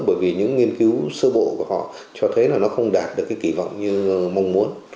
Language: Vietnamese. bởi vì những nghiên cứu sơ bộ của họ cho thấy là nó không đạt được cái kỳ vọng như mong muốn